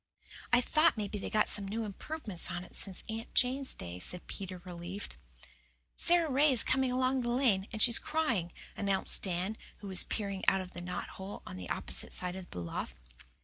"I thought maybe they'd got some new improvements on it since Aunt Jane's day," said Peter, relieved. "Sara Ray is coming along the lane, and she's crying," announced Dan, who was peering out of a knot hole on the opposite side of the loft.